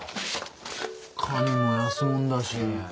紙も安もんだし。